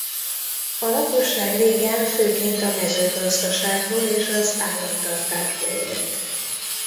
A lakosság régen főként a mezőgazdaságból és az állattartásból élt.